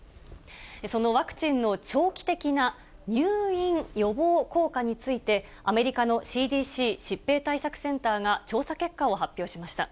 そのワクチンの長期的な入院予防効果について、アメリカのＣＤＣ・疾病対策センターが調査結果を発表しました。